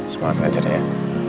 semangat aja deh ya